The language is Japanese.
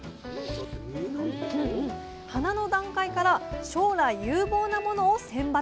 花の段階から将来有望なものを選抜。